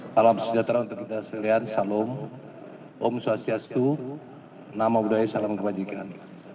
salam sejahtera untuk kita sekalian salam om swastiastu nama budaya salam kebajikan